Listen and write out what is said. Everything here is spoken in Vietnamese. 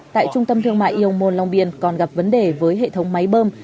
tại trung tâm thương mại yêu môn long biên còn gặp vấn đề với hệ thống máy bơm